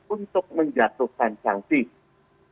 untuk menjatuhkan cangkir